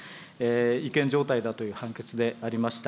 違憲状態だという判決でありました。